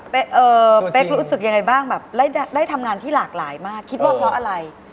เอ่อเป๊กรู้สึกยังไงบ้างแบบได้ทำงานที่หลากหลายมากคิดว่าเพราะอะไร